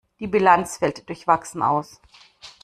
Die Bilanz fällt durchwachsen aus.